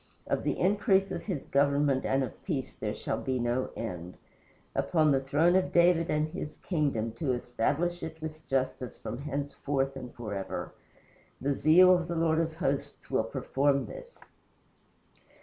Of the increase of his government and of peace there shall be no end, Upon the throne of David and his kingdom, To establish it with justice from henceforth and forever. The zeal of the Lord of Hosts will perform this."